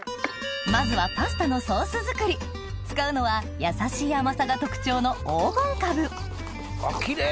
まずはパスタのソース作り使うのはやさしい甘さが特徴のキレイ！